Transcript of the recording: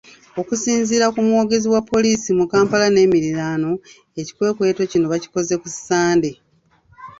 Okusinziira ku mwogezi wa poliisi mu Kampala n’emiriraano, ekikwekweto kino bakikoze ku Ssande.